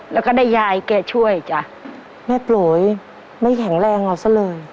แล้วก็ได้ยายแกช่วยจ้ะแม่โปรยไม่แข็งแรงเอาซะเลย